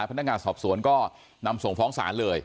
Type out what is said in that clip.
พนักงานสอบสวนก็นำส่งฟ้องศาลเลย